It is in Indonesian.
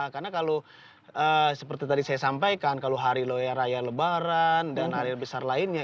karena kalau seperti tadi saya sampaikan kalau hari loya raya lebaran dan hari besar lainnya